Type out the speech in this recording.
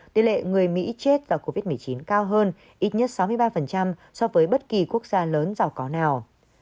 tỷ lệ người mỹ chết và covid một mươi chín cao hơn ít nhất sáu mươi ba so với bất kỳ quốc gia lớn giàu có nào